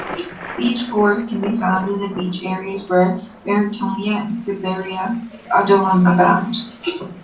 Beach forest can be found in beach areas where Barringtonia and Cerbera odollam abound.